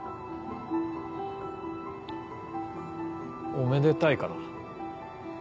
おめでたいかな？